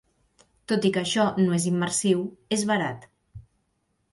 Tot i que això no és immersiu, és barat.